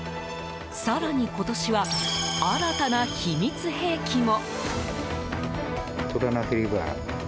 更に今年は、新たな秘密兵器も。